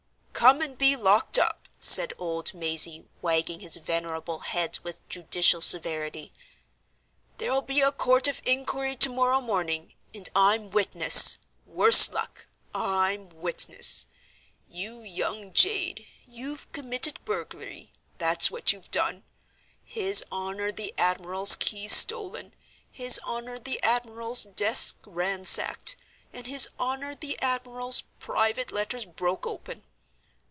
"Come and be locked up!" said old Mazey, wagging his venerable head with judicial severity. "There'll be a court of inquiry to morrow morning, and I'm witness—worse luck!—I'm witness. You young jade, you've committed burglary—that's what you've done. His honor the admiral's keys stolen; his honor the admiral's desk ransacked; and his honor the admiral's private letters broke open.